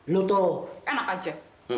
lo tuh enak aja